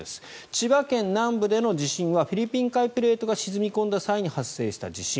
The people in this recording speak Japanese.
千葉県南部での地震はフィリピン海プレートが沈み込んだ際に発生した地震。